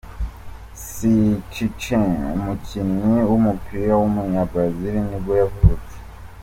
Cicinho, umukinnyi w’umupira w’umunyabrazil nibwo yavutse.